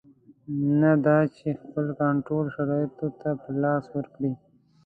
نه دا چې خپل کنټرول شرایطو ته په لاس ورکړي.